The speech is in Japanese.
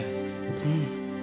うん。